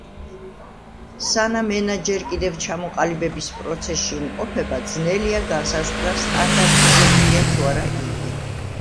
სანამ ენა ჯერ კიდევ ჩამოყალიბების პროცესში იმყოფება ძნელია განსაზღვრა სტანდარტიზებულია თუ არა იგი.